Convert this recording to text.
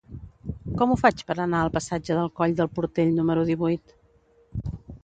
Com ho faig per anar al passatge del Coll del Portell número divuit?